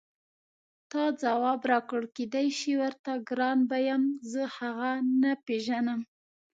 تا ځواب راکړ کېدای شي ورته ګران به یم زه هغه نه پېژنم.